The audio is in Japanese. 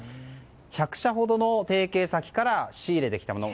１００社ほどの提携先から仕入れてきたもの。